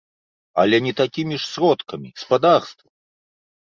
Але не такімі ж сродкамі, спадарства!